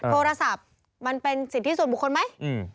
โทรศัพท์มันเป็นสิทธิส่วนบุคคลไหม